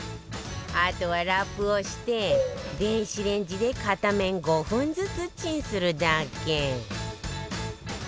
あとはラップをして電子レンジで片面５分ずつチンするだけ